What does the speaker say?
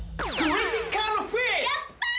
やった！